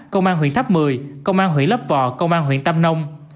công an huyện tháp một mươi công an huyện lấp vò công an huyện tâm nông